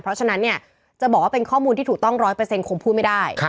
เพราะฉะนั้นเนี่ยจะบอกว่าเป็นข้อมูลที่ถูกต้อง๑๐๐คงพูดไม่ได้